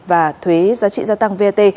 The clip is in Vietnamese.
và thuế giá trị gia tăng vat